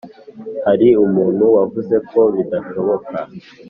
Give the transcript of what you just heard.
hari umuntu wavuze ko bidashoboka